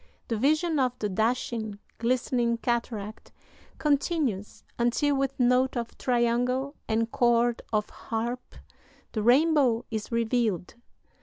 The vision of the dashing, glistening cataract continues until, with note of triangle and chord of harp, the rainbow is revealed."